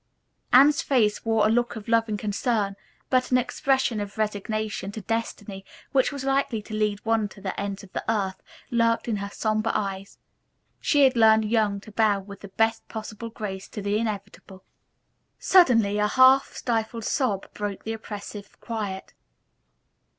Anne's face wore a look of loving concern, but an expression of resignation to destiny, which was likely to lead one to the ends of the earth, lurked in her somber eyes. She had learned young to bow with the best possible grace to the inevitable. Suddenly a half stifled sob broke the oppressive quiet.